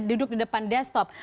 duduk di depan desktop